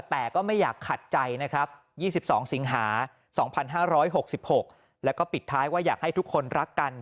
แต่ก็ไม่อยากขัดใจนะครับ๒๒สิงหา๒๕๖๖แล้วก็ปิดท้ายว่าอยากให้ทุกคนรักกัน